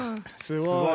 すごい。